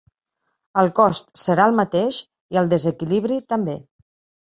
El cost serà el mateix i el desequilibri, també.